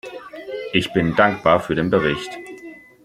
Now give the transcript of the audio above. Ich bin dankbar für den Bericht.